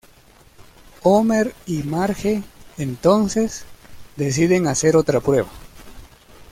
Homer y Marge, entonces, deciden hacer otra prueba.